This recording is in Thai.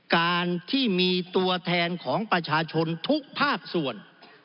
การที่มีตัวแทนของประชาชนทุกภาคส่วน